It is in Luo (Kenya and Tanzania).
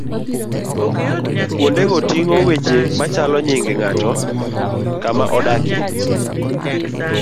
Kuondego ting'o weche machalo nyinge ng'ato, kama odakie.